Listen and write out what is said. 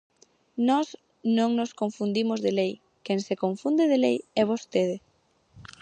Nós non nos confundimos de lei, quen se confunde de lei é vostede.